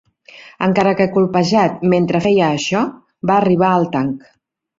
Encara que colpejat mentre feia això, va arribar al tanc.